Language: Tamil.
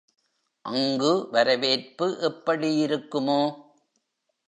அங்கு வரவேற்பு எப்படியிருக்குமோ?